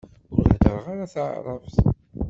Ur heddreɣ ara taεrabt.